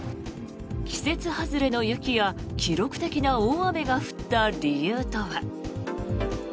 季節外れの雪や記録的な大雨が降った理由とは。